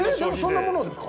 そんなものですか？